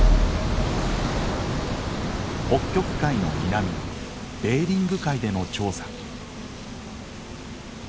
北極海の南ベーリング海での調査。